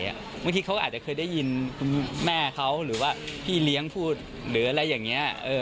บางทีเขาอาจจะเคยได้ยินคุณแม่เขาหรือว่าพี่เลี้ยงพูดหรืออะไรอย่างนี้